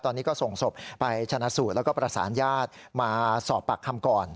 ตอนนี้ก็ส่งศพไปชนะสูตรแล้วก็ประสานญาติมาสอบปากคำก่อน